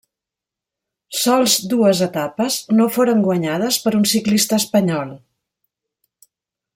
Sols dues etapes no foren guanyades per un ciclista espanyol.